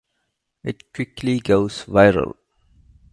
It quickly goes viral.